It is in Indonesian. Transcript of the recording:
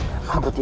tapi aku mengamati